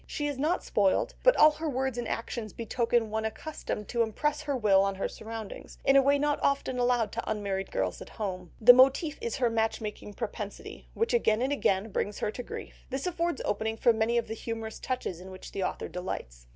She is not spoilt, but all her words and actions betoken one accustomed to impress her will on her surroundings, in a way not often allowed to unmarried girls at home. The motif is her match making propensity, which again and again brings her to grief; this affords opening for many of the humorous touches in which the author delights.